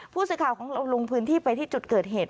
ผู้สื่อข่าวของเราลงพื้นที่ไปที่จุดเกิดเหตุ